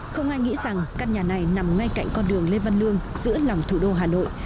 không ai nghĩ rằng căn nhà này nằm ngay cạnh con đường lê văn lương giữa lòng thủ đô hà nội